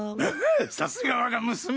さすが我が娘。